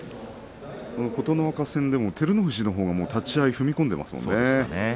琴ノ若戦でも、照ノ富士のほうが立ち合い踏み込んでいましたよね。